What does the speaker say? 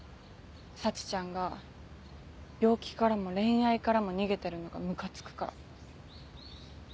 沙智ちゃんが病気からも恋愛からも逃げてるのがムカつくから。